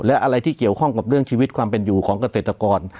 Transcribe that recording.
และอะไรที่เกี่ยวข้องกับเรื่องชีวิตความเป็นอยู่ของเกษตรกร